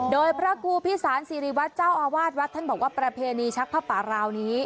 โดยพระครูพิสารสิริวัตรเจ้าอาวาสวัดท่านบอกว่าประเพณีชักผ้าป่าราวนี้